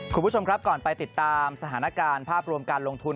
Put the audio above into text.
คุณผู้ชมครับก่อนไปติดตามสถานการณ์ภาพรวมการลงทุน